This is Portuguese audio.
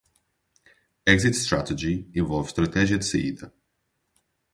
Exit Strategy envolve estratégia de saída.